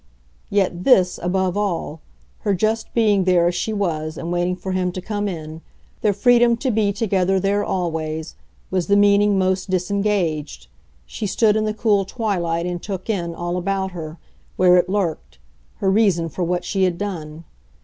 Yet THIS above all her just being there as she was and waiting for him to come in, their freedom to be together there always was the meaning most disengaged: she stood in the cool twilight and took in, all about her, where it lurked, her reason for what she had done.